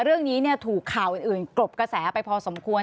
เรื่องนี้ถูกข่าวอื่นกรบกระแสไปพอสมควร